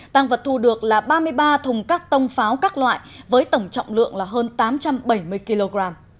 tăng vật thu được là ba mươi ba thùng các tông pháo các loại với tổng trọng lượng là hơn tám trăm bảy mươi kg